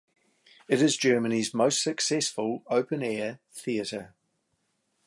It is Germany's most successful open-air theatre.